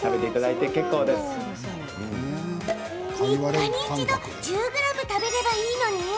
３日に一度１０ｇ食べればいいのね！